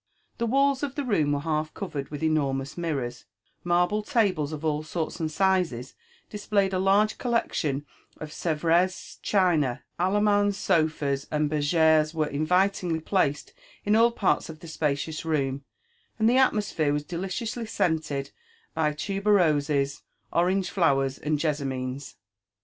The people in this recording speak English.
The walls of the room were half covered with enormous mirrors ; marble tables of all sorts and sizes displayed a large colleclion of Sevres china; ottomans, sofas, and bcrg^res were invitingly placed in all parts of the spacious room ; and the atmosphere wasdeliciously scented by tuberoses, orange flowers> and jessamines.